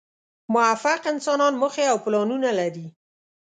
موفق انسانان موخې او پلانونه لري.